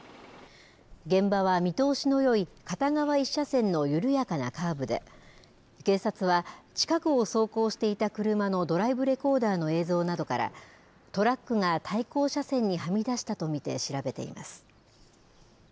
現場は見通しのよい片側１車線の緩やかなカーブで、警察は、近くを走行していた車のドライブレコーダーの映像などから、トラックが対向車線にはみ出したと見て、調べています。